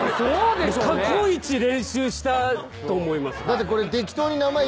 過去一練習したと思います。